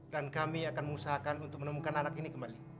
dan kami akan mengusahakan untuk menemukan anak ini kembali